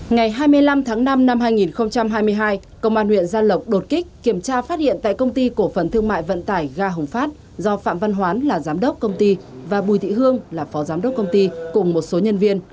ngày hai mươi năm tháng năm năm hai nghìn hai mươi hai công an huyện gia lộc đột kích kiểm tra phát hiện tại công ty cổ phần thương mại vận tải ga hồng phát do phạm văn hoán là giám đốc công ty và bùi thị hương là phó giám đốc công ty cùng một số nhân viên